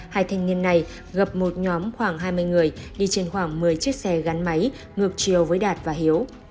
hai thanh niên này gặp một nhóm khoảng hai mươi người đi trên khoảng một mươi chiếc xe gắn máy ngược chiều với đạt và hiếu